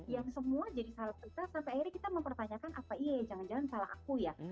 yang semua jadi salah kita sampai akhirnya kita mempertanyakan apa iya jangan jangan salah aku ya